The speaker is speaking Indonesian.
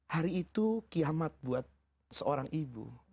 hari itu kiamat buat seorang ibu